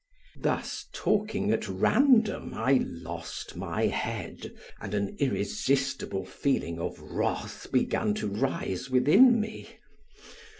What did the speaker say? Thus talking at random, I lost my head, and an irresistible feeling of wrath began to rise within me.